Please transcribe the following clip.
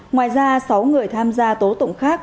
ngoài ra sáu người tham gia tố tụng khác